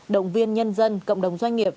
động viên nhân dân cộng đồng doanh nghiệp